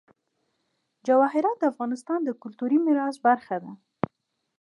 جواهرات د افغانستان د کلتوري میراث برخه ده.